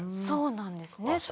そうなんですね